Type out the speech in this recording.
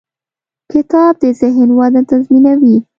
کتاب د ذهن وده تضمینوي.